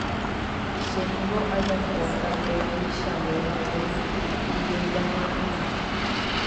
Chéngo ajapota pe tuichavéva, pe ijojaha'ỹva.